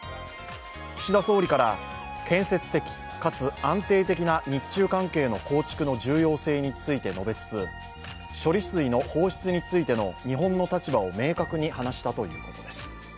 岸田総理から建設的かつ安定的な日中関係の構築の重要性について述べつつ、処理水の放出についての日本の立場を明確に話したということです。